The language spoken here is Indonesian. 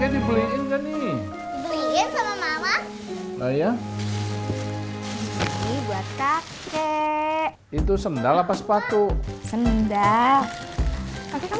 di peluang saluran di autonetmagz com